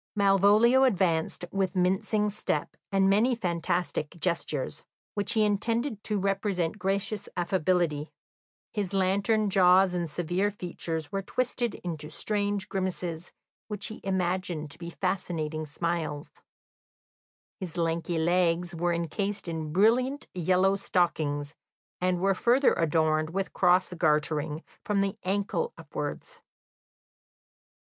Malvolio advanced with mincing step and many fantastic gestures, which he intended to represent gracious affability; his lantern jaws and severe features were twisted into strange grimaces, which he imagined to be fascinating smiles; his lanky legs were encased in brilliant yellow stockings, and were further adorned with cross gartering from the ankle upwards.